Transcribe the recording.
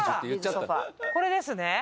これですね。